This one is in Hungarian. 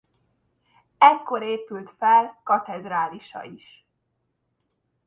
Ekkor épült fel katedrálisa is.